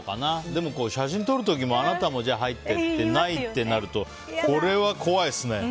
でも写真撮る時もあなたも入ってってないってなるとこれは怖いですね。